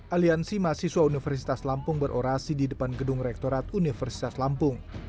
aliansi mahasiswa universitas lampung berorasi di depan gedung rektorat universitas lampung